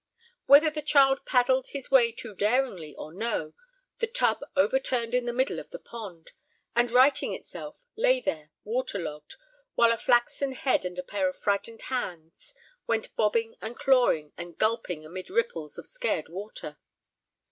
Whether the child paddled his way too daringly or no, the tub overturned in the middle of the pond, and, righting itself, lay there water logged, while a flaxen head and a pair of frightened hands went bobbing and clawing and gulping amid ripples of scared water.